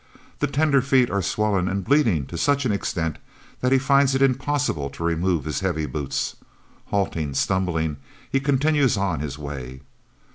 The tender feet are swollen and bleeding to such an extent that he finds it impossible to remove his heavy boots. Halting, stumbling, he continues on his way.